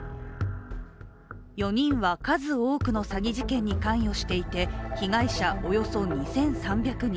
４人は数多くの詐欺事件に関与していて被害者およそ２３００人。